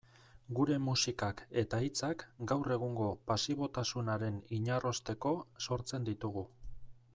Gure musikak eta hitzak gaur egungo pasibotasunaren inarrosteko sortzen ditugu.